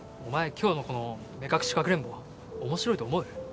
今日のこの目隠しかくれんぼおもしろいと思う？